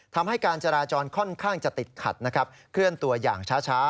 ทำให้การจราจรค่อนข้างจะติดขัดนะครับเคลื่อนตัวอย่างช้า